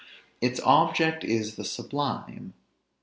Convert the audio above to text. Its object is the sublime.